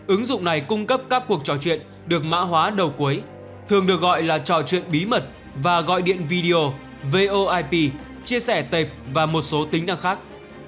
ứng dụng này cung cấp các cuộc trò chuyện được mã hóa đầu cuối thường được gọi là trò chuyện bí mật và gọi điện video ip chia sẻ tệp và một số tính năng khác